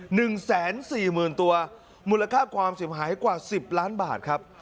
หนึ่งแสนสี่หมื่นตัวมูลค่าความเสียหายกว่าสิบล้านบาทครับ